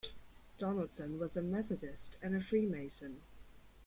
Donaldson was a Methodist and a Freemason.